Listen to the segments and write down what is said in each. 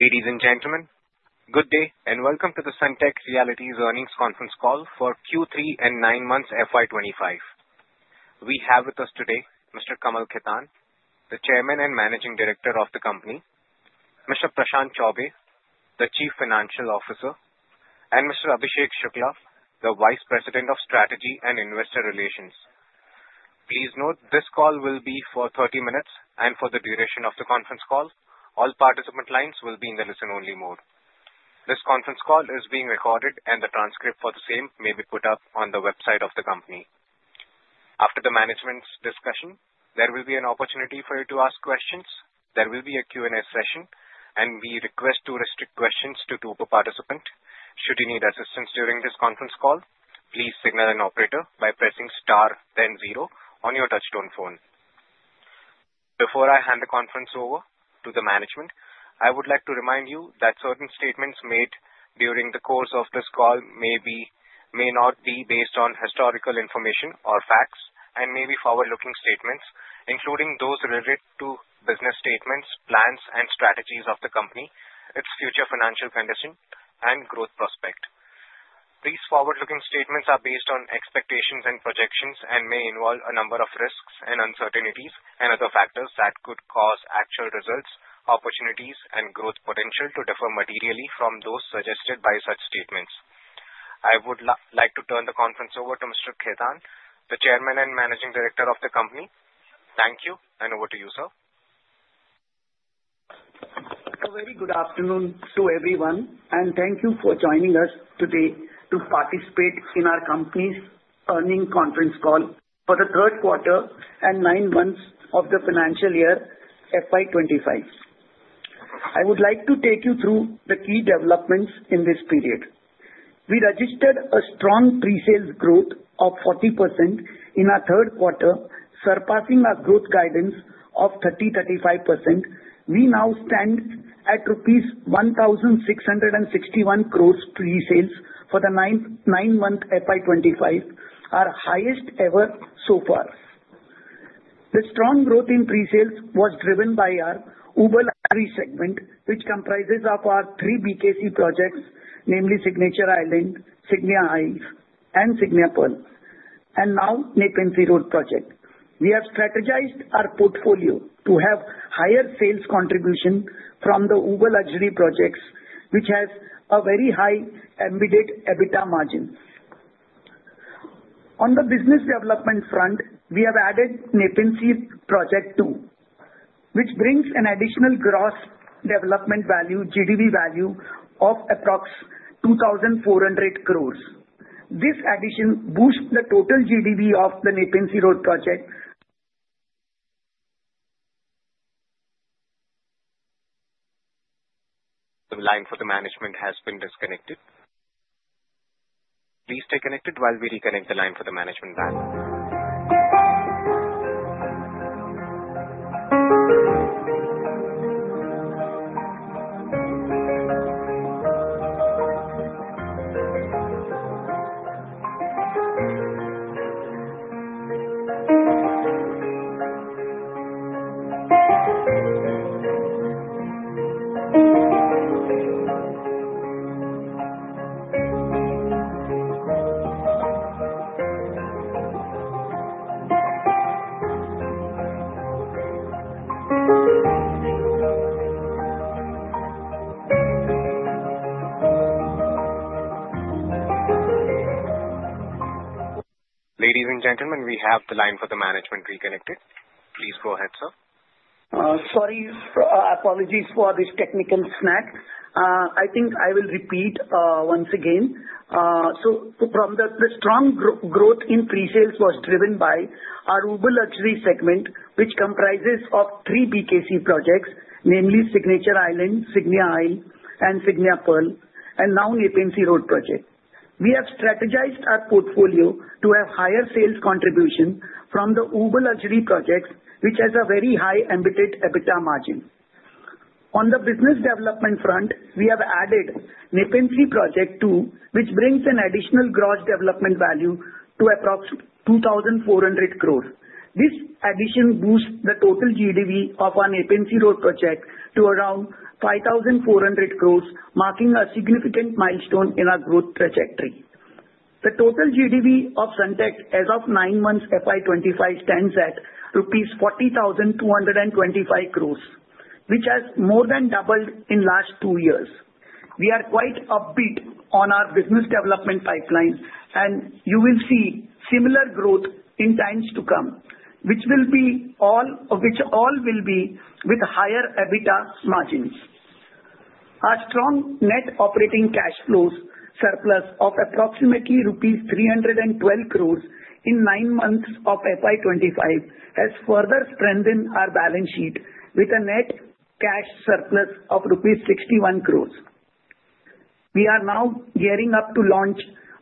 Ladies and gentlemen, good day and welcome to the Sunteck Realty's Earnings Conference Call for Q3 and nine months FY 2025. We have with us today Mr. Kamal Khetan, the Chairman and Managing Director of the company; Mr. Prashant Chaubey, the Chief Financial Officer; and Mr. Abhishek Shukla, the Vice President of Strategy and Investor Relations. Please note this call will be for 30 minutes, and for the duration of the conference call, all participant lines will be in the listen-only mode. This conference call is being recorded, and the transcript for the same may be put up on the website of the company. After the management's discussion, there will be an opportunity for you to ask questions. There will be a Q&A session, and we request to restrict questions to two per participant. Should you need assistance during this conference call, please signal an operator by pressing star then zero on your touchtone phone. Before I hand the conference over to the management, I would like to remind you that certain statements made during the course of this call may not be based on historical information or facts and may be forward-looking statements, including those related to business statements, plans, and strategies of the company, its future financial condition, and growth prospect. These forward-looking statements are based on expectations and projections and may involve a number of risks and uncertainties and other factors that could cause actual results, opportunities, and growth potential to differ materially from those suggested by such statements. I would like to turn the conference over to Mr. Khetan, the Chairman and Managing Director of the company. Thank you, and over to you, sir. A very good afternoon to everyone, and thank you for joining us today to participate in our company's earnings conference call for the third quarter and nine months of the financial year FY 2025. I would like to take you through the key developments in this period. We registered a strong pre-sales growth of 40% in our third quarter, surpassing our growth guidance of 30%-35%. We now stand at INR 1,661 crores pre-sales for the nine-month FY 2025, our highest ever so far. The strong growth in pre-sales was driven by our Uber three segment, which comprises of our three BKC projects, namely Signature Island, Signia Heights, and Signia Pearl, and now Nepean Sea Road project. 5,400 crores, marking a significant milestone in our growth trajectory. The total GDV of Sunteck as of nine months FY 2025 stands at rupees 40,225 crores, which has more than doubled in the last two years. We are quite upbeat on our business development pipeline, and you will see similar growth in times to come, which all will be with higher EBITDA margins. Our strong net operating cash flows surplus of approximately rupees 312 crores in nine months of FY 2025 has further strengthened our balance sheet with a net cash surplus of rupees 61 crores. We are now gearing up to launch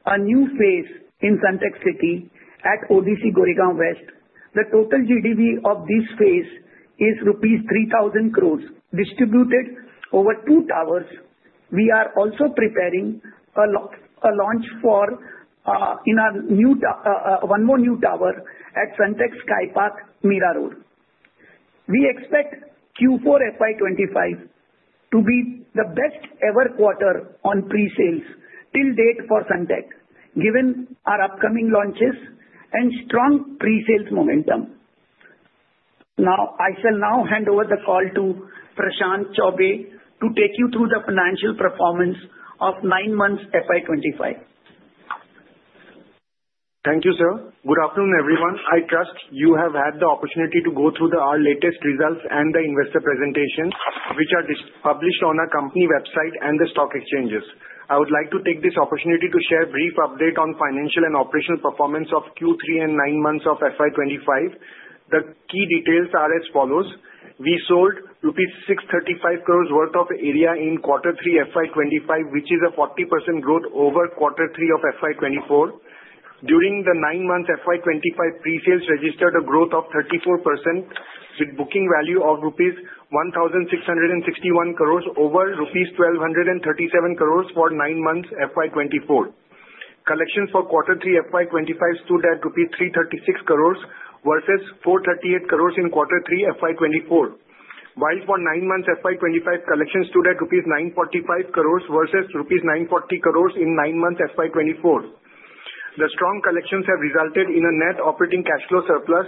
a new phase in Sunteck City at ODC Goregaon West. The total GDV of this phase is rupees 3,000 crores, distributed over two towers. We are also preparing a launch for one more new tower at Sunteck Sky Park, Mira Road. We expect Q4 FY 2025 to be the best-ever quarter on pre-sales till date for Sunteck, given our upcoming launches and strong pre-sales momentum. Now, I shall hand over the call to Prashant Chaubey to take you through the financial performance of nine months FY 2025. Thank you, sir. Good afternoon, everyone. I trust you have had the opportunity to go through our latest results and the investor presentation, which are published on our company website and the stock exchanges. I would like to take this opportunity to share a brief update on financial and operational performance of Q3 and nine months of FY 2025. The key details are as follows. We sold rupees 635 crores worth of area in Q3 FY 2025, which is a 40% growth over Q3 of FY 2024. During the nine months FY 2025, pre-sales registered a growth of 34%, with a booking value of rupees 1,661 crores over rupees 1,237 crores for nine months FY 2024. Collections for Q3 FY 2025 stood at rupees 336 crores versus 438 crores in Q3 FY 2024, while for nine months FY 2025, collections stood at rupees 945 crores versus rupees 940 crores in nine months FY 2024. The strong collections have resulted in a net operating cash flow surplus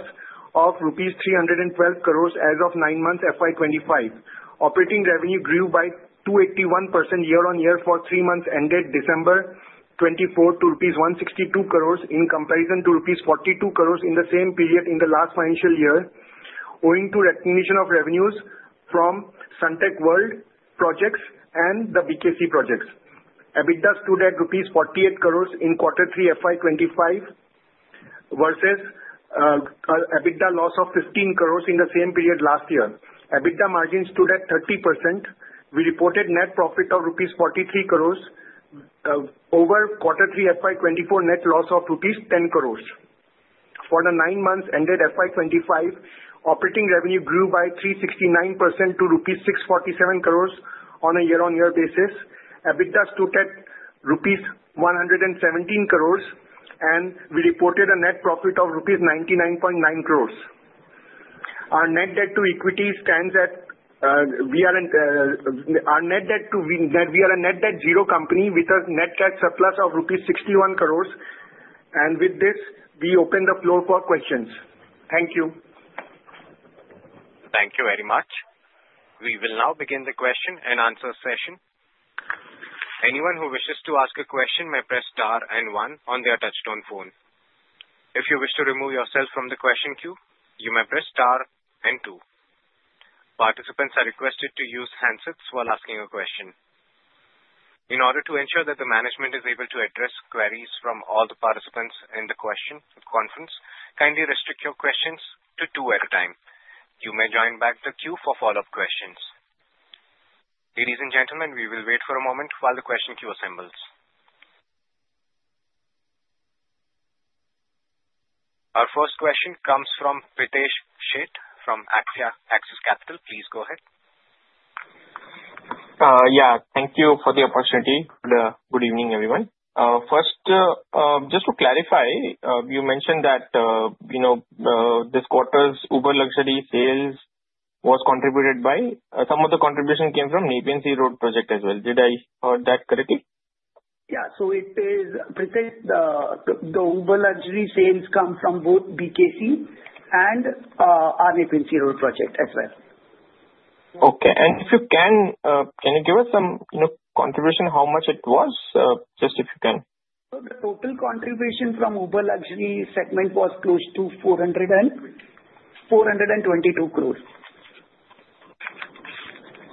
of rupees 312 crores as of nine months FY 2025. Operating revenue grew by 281% year-on-year for three months ended December 24 to rupees 162 crores in comparison to rupees 42 crores in the same period in the last financial year, owing to recognition of revenues from Sunteck World projects and the BKC projects. EBITDA stood at rupees 48 crores in Q3 FY 2025 versus EBITDA loss of 15 crores in the same period last year. EBITDA margin stood at 30%. We reported net profit of rupees 43 crores over Q3 FY 2024, net loss of rupees 10 crores. For the nine months ended FY 2025, operating revenue grew by 369% to rupees 647 crores on a year-on-year basis. EBITDA stood at rupees 117 crores, and we reported a net profit of rupees 99.9 crores. Our net debt to equity stands at, we are a net debt zero company with a net cash surplus of rupees 61 crores, and with this, we open the floor for questions. Thank you. Thank you very much. We will now begin the question and answer session. Anyone who wishes to ask a question may press star and one on their touchtone phone. If you wish to remove yourself from the question queue, you may press star and two. Participants are requested to use handsets while asking a question. In order to ensure that the management is able to address queries from all the participants in the question conference, kindly restrict your questions to two at a time. You may join back the queue for follow-up questions. Ladies and gentlemen, we will wait for a moment while the question queue assembles. Our first question comes from Pritesh Sheth from Axis Capital. Please go ahead. Yeah, thank you for the opportunity. Good evening, everyone. First, just to clarify, you mentioned that this quarter's Uber Luxury sales was contributed by some of the contribution came from Nepean Sea Road project as well. Did I heard that correctly? Yeah, so it is Pritesh. The Uber Luxury sales come from both BKC and our Nepean Sea Road project as well. Okay. And if you can, can you give us some contribution, how much it was, just if you can? The total contribution from Uber Luxury segment was close to 422 crores.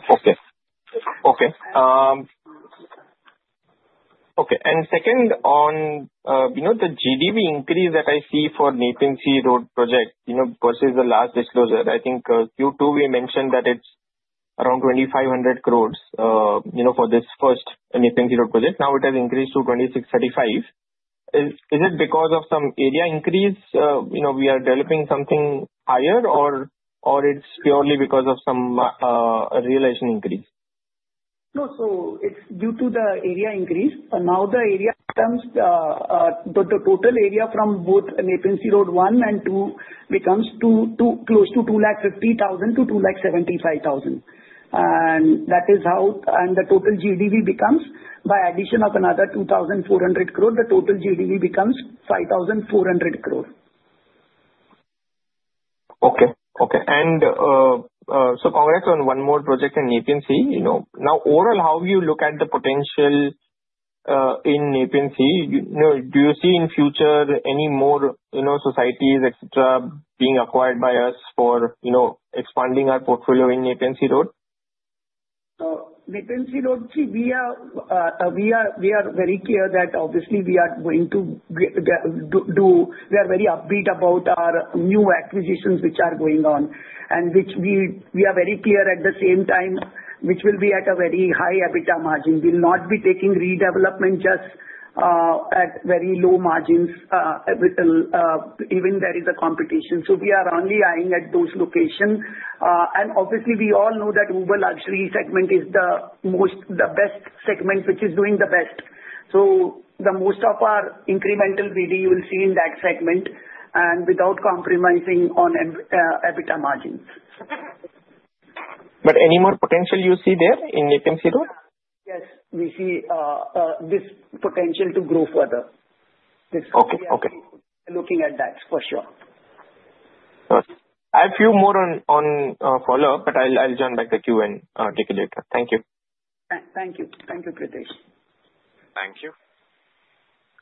Okay. And second, on the GDV increase that I see for Nepean Sea Road project versus the last disclosure, I think Q2 we mentioned that it's around 2,500 crores for this first Nepean Sea Road project. Now it has increased to 2,635 crores. Is it because of some area increase? We are developing something higher, or it's purely because of some realization increase? No, so it's due to the area increase. Now the total area from both Nepean Sea Road one and two becomes close to 250,000-275,000. And that is how the total GDV becomes. By addition of another 2,400 crore, the total GDV becomes 5,400 crore. Okay. Okay. And so congrats on one more project in Nepean Sea. Now, overall, how do you look at the potential in Nepean Sea? Do you see in future any more societies, etc., being acquired by us for expanding our portfolio in Nepean Sea Road? Nepean Sea Road, see, we are very clear that obviously we are going to do we are very upbeat about our new acquisitions which are going on and which we are very clear at the same time which will be at a very high EBITDA margin. We will not be taking redevelopment just at very low margins even there is a competition. So we are only eyeing at those locations. And obviously, we all know that Uber Luxury segment is the best segment which is doing the best. So the most of our incremental revenue you will see in that segment and without compromising on EBITDA margins. But any more potential you see there in Nepean Sea Road? Yes, we see this potential to grow further. Okay. Okay. Looking at that for sure. I have a few more on follow-up, but I'll join back the queue and take a look. Thank you. Thank you. Thank you, Pritesh. Thank you.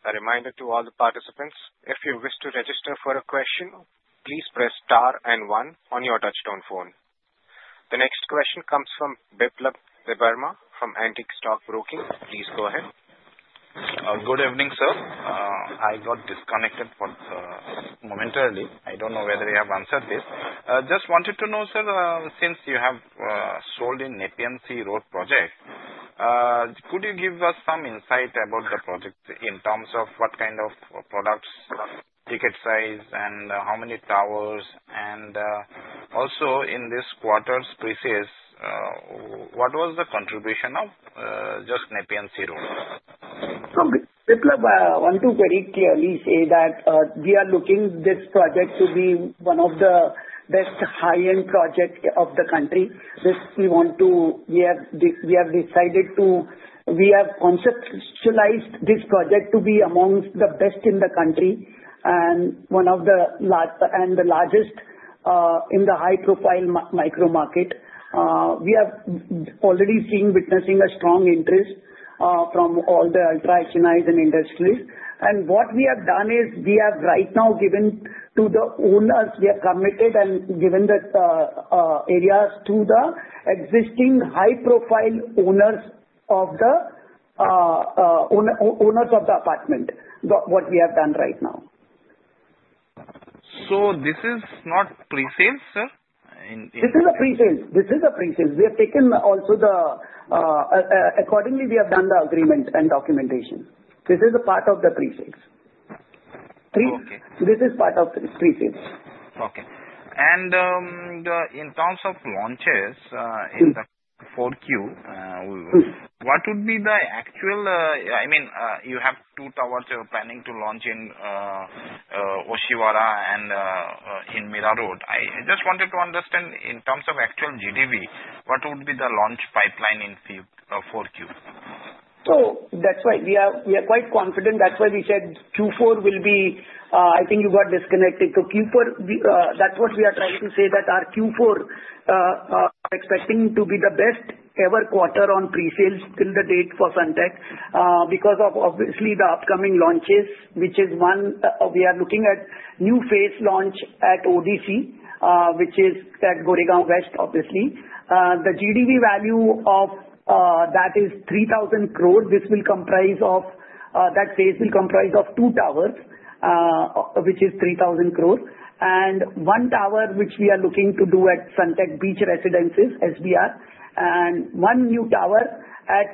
A reminder to all the participants, if you wish to register for a question, please press star and one on your touchtone phone. The next question comes from Biplab Debbarma from Antique Stock Broking. Please go ahead. Good evening, sir. I got disconnected momentarily. I don't know whether you have answered this. Just wanted to know, sir, since you have sold in Nepean Sea Road project, could you give us some insight about the project in terms of what kind of products, ticket size, and how many towers? And also in this quarter's pre-sales, what was the contribution of just Nepean Sea Road? So Biplab want to very clearly say that we are looking at this project to be one of the best high-end projects of the country. We have decided to conceptualized this project to be amongst the best in the country and one of the largest in the high-profile micro market. We have already seen witnessing a strong interest from all the ultra-HNIs and industries. What we have done is we have right now given to the owners we have committed and given the areas to the existing high-profile owners of the apartment, what we have done right now. So this is not pre-sales, sir? This is a pre-sales. This is a pre-sales. We have taken also the accordingly, we have done the agreement and documentation. This is a part of the pre-sales. This is part of pre-sales. Okay. And in terms of launches in the fourth quarter, what would be the actual? I mean, you have two towers you're planning to launch in Oshiwara and in Mira Road. I just wanted to understand in terms of actual GDV, what would be the launch pipeline in fourth quarter? So that's why we are quite confident. That's why we said Q4 will be. I think you got disconnected. So Q4, that's what we are trying to say that our Q4 we are expecting to be the best-ever quarter on pre-sales till the date for Sunteck because of obviously the upcoming launches, which is one we are looking at new phase launch at ODC, which is at Goregaon West, obviously. The GDV value of that is 3,000 crores. This will comprise of that phase will comprise of two towers, which is 3,000 crores, and one tower which we are looking to do at Sunteck Beach Residences, SBR, and one new tower at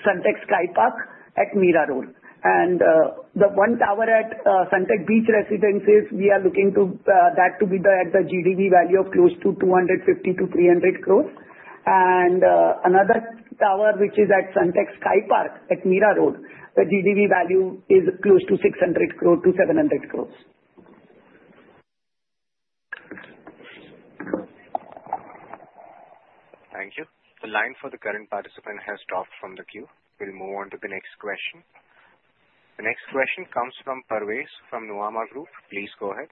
Sunteck Sky Park at Mira Road. And the one tower at Sunteck Beach Residences, we are looking to that to be at the GDV value of close to 250 crores-300 crores. Another tower which is at Sunteck Sky Park at Mira Road, the GDV value is close to 600 crores-700 crores. Thank you. The line for the current participant has dropped from the queue. We'll move on to the next question. The next question comes from Parvez from Nuvama Group. Please go ahead.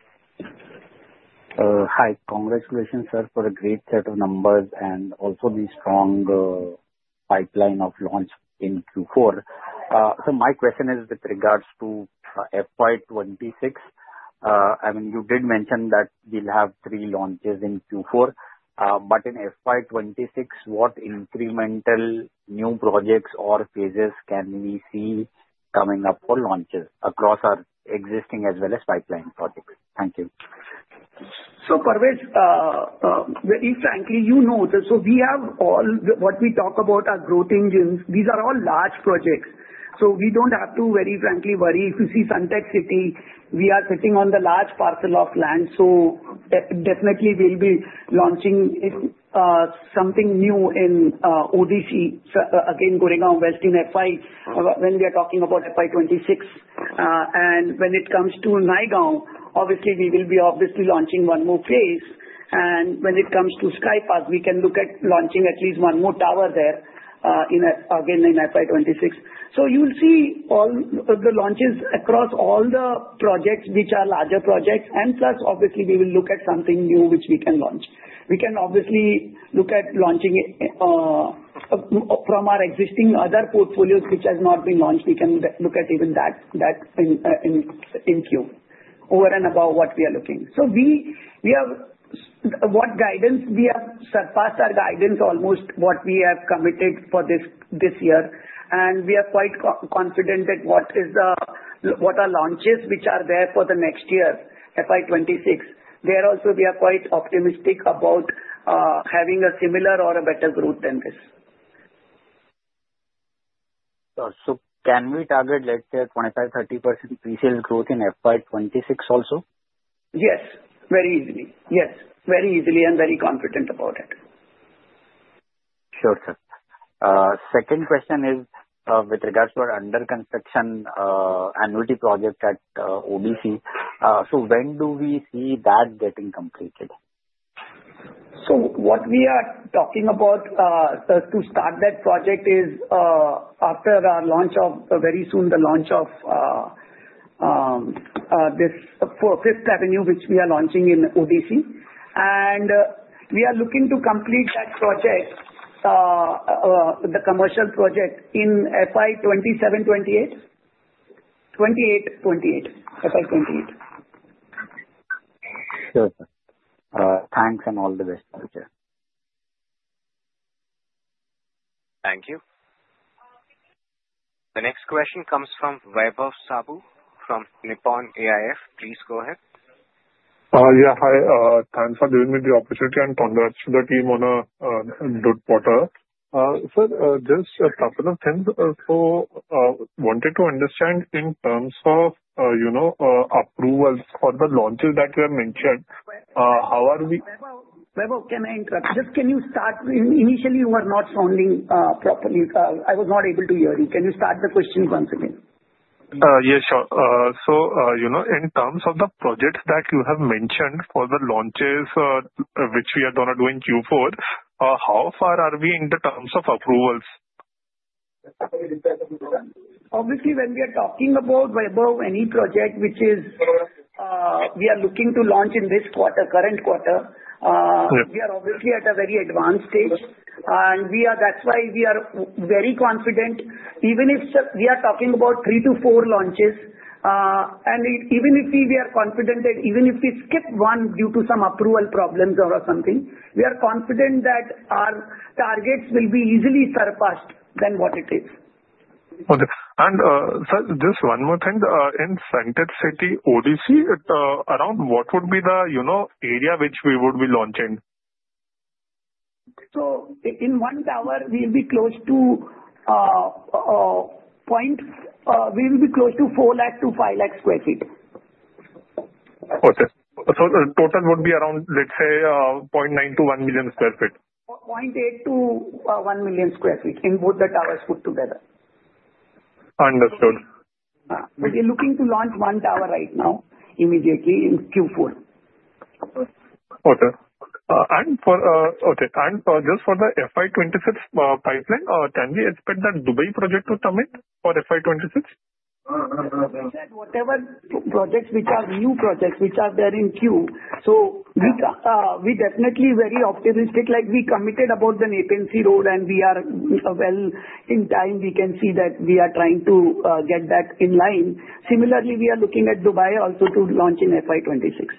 Hi. Congratulations, sir, for a great set of numbers and also the strong pipeline of launch in Q4. So my question is with regards to FY 2026. I mean, you did mention that we'll have three launches in Q4, but in FY 2026, what incremental new projects or phases can we see coming up for launches across our existing as well as pipeline projects? Thank you. Parvez, very frankly, you know that so we have all what we talk about are growth engines. These are all large projects. So we don't have to, very frankly, worry. If you see Sunteck City, we are sitting on the large parcel of land. So definitely, we'll be launching something new in ODC, again, Goregaon West in FY when we are talking about FY 2026. And when it comes to Naigaon, obviously, we will be obviously launching one more phase. And when it comes to Sky Park, we can look at launching at least one more tower there, again, in FY 2026. So you'll see all the launches across all the projects, which are larger projects. And plus, obviously, we will look at something new which we can launch. We can obviously look at launching from our existing other portfolios, which has not been launched. We can look at even that in queue over and above what we are looking. So we have what guidance we have surpassed our guidance almost what we have committed for this year. And we are quite confident that whatever launches which are there for the next year, FY 2026, there also we are quite optimistic about having a similar or a better growth than this. So can we target, let's say, a 25%-30% pre-sales growth in FY 2026 also? Yes. Very easily. Yes. Very easily and very confident about it. Sure, sir. Second question is with regards to our under-construction annuity project at ODC. So when do we see that getting completed? What we are talking about, sir, to start that project is after our launch, very soon, the launch of this Fifth Avenue, which we are launching in ODC. We are looking to complete that project, the commercial project, in FY28. Sure, sir. Thanks and all the best, Parvez. Thank you. The next question comes from Vaibhav Shah from Nippon AIF. Please go ahead. Yeah, hi. Thanks for giving me the opportunity, and congrats to the team on a good quarter. Sir, just a couple of things, so wanted to understand in terms of approvals for the launches that you have mentioned, how are we? Vaibhav, can I interrupt? Just can you start? Initially, you were not sounding properly. I was not able to hear you. Can you start the question once again? Yeah, sure. So in terms of the projects that you have mentioned for the launches which we are going to do in Q4, how far are we in terms of approvals? Obviously, when we are talking about Vaibhav, any project which we are looking to launch in this quarter, current quarter, we are obviously at a very advanced stage, and that's why we are very confident. Even if we are talking about three to four launches, and even if we are confident that even if we skip one due to some approval problems or something, we are confident that our targets will be easily surpassed than what it is. Okay. And sir, just one more thing. In Sunteck City, ODC, around what would be the area which we would be launching? In one tower, we will be close to points. We will be close to 4 lakh-5 lakh sq ft. Okay, so the total would be around, let's say, 0.9-1 million sq ft? 0.8-1 million sq ft in both the towers put together. Understood. We're looking to launch one tower right now immediately in Q4. Okay. And just for the FY 2026 pipeline, can we expect that Dubai project to commit for FY 2026? Whatever projects which are new projects which are there in queue. So we definitely very optimistic. We committed about the Nepean Sea Road, and we are well in time. We can see that we are trying to get that in line. Similarly, we are looking at Dubai also to launch in FY 2026.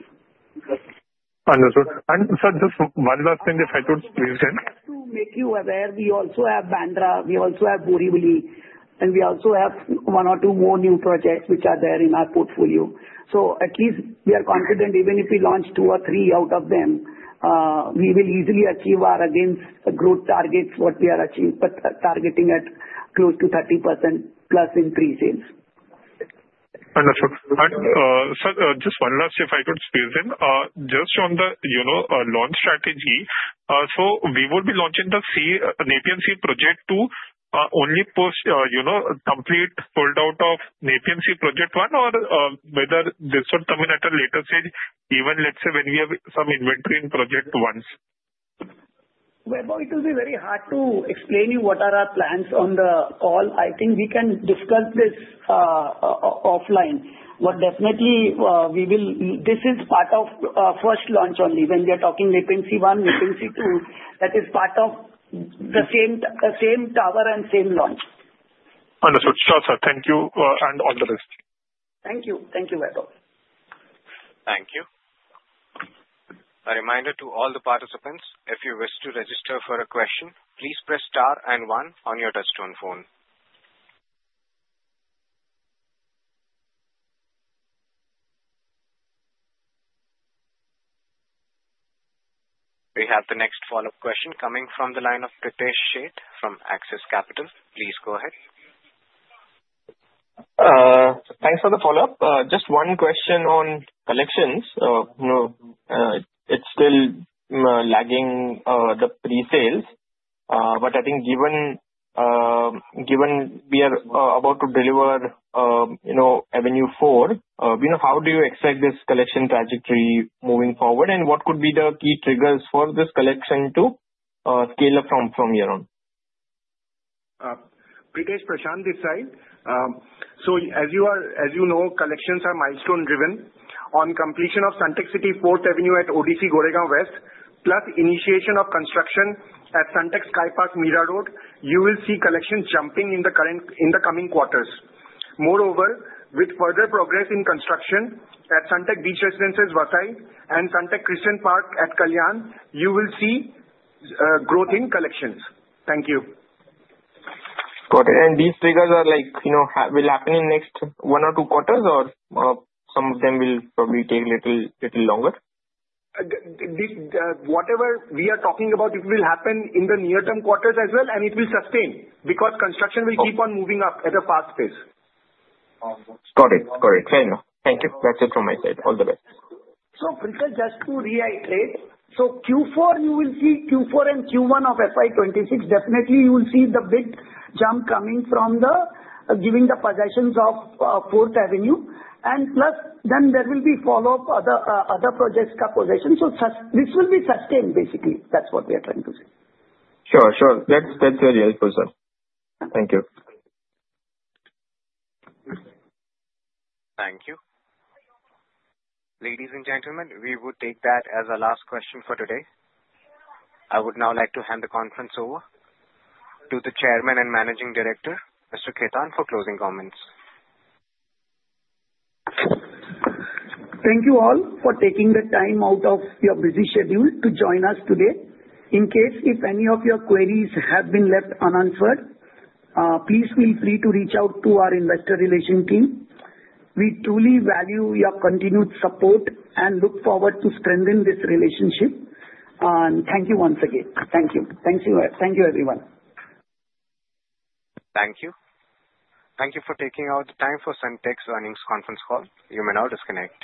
Understood, and sir, just one last thing, if I could please again. Just to make you aware, we also have Bandra, we also have Borivali, and we also have one or two more new projects which are there in our portfolio, so at least we are confident even if we launch two or three out of them, we will easily achieve our aggressive growth targets what we are achieving, but targeting at close to 30% plus in pre-sales. Understood. And, sir, just one last, if I could please again, just on the launch strategy, so we will be launching the Nepean Sea project two only complete holdout of Nepean Sea project one or whether this will come in at a later stage, even let's say when we have some inventory in project ones? Vaibhav, it will be very hard to explain you what are our plans on the call. I think we can discuss this offline. But definitely, we will this is part of first launch only. When we are talking Nepean Sea one, Nepean Sea two, that is part of the same tower and same launch. Understood. Sure, sir. Thank you. And all the best. Thank you. Thank you, Vaibhav. Thank you. A reminder to all the participants, if you wish to register for a question, please press star and one on your touchtone phone. We have the next follow-up question coming from the line of Pritesh Sheth from Axis Capital. Please go ahead. Thanks for the follow-up. Just one question on collections. It's still lagging the pre-sales. But I think given we are about to deliver Avenue four, how do you expect this collection trajectory moving forward? And what could be the key triggers for this collection to scale up from here on? So as you know, collections are milestone-driven. On completion of Sunteck City Fourth Avenue at ODC Goregaon West, plus initiation of construction at Sunteck Sky Park Mira Road, you will see collections jumping in the coming quarters. Moreover, with further progress in construction at Sunteck Beach Residences Vasai and Sunteck Crescent Park at Kalyan, you will see growth in collections. Thank you. Got it. And these triggers will happen in next one or two quarters, or some of them will probably take a little longer? Whatever we are talking about, it will happen in the near-term quarters as well, and it will sustain because construction will keep on moving up at a fast pace. Got it. Got it. Fair enough. Thank you. That's it from my side. All the best. Pritesh, just to reiterate, Q4, you will see Q4 and Q1 of FY 2026. Definitely you will see the big jump coming from giving the possessions of Fourth Avenue. Plus, then there will be follow-up other projects' possessions. This will be sustained, basically. That's what we are trying to say. Sure, sure. That's very helpful, sir. Thank you. Thank you. Ladies and gentlemen, we will take that as our last question for today. I would now like to hand the conference over to the Chairman and Managing Director, Mr. Khetan, for closing comments. Thank you all for taking the time out of your busy schedule to join us today. In case if any of your queries have been left unanswered, please feel free to reach out to our investor relations team. We truly value your continued support and look forward to strengthening this relationship. And thank you once again. Thank you. Thank you, everyone. Thank you. Thank you for taking out the time for Sunteck's earnings conference call. You may now disconnect.